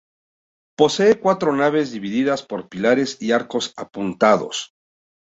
Posee cuatro naves divididas por pilares y arcos apuntados.